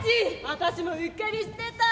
私もうっかりしてた。